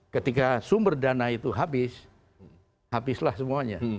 ketika sumber dana itu habis habislah semuanya